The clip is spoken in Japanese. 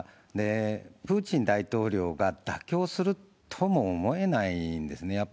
プーチン大統領が妥協するとも思えないんですね。